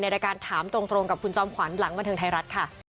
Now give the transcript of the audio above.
รายการถามตรงกับคุณจอมขวัญหลังบันเทิงไทยรัฐค่ะ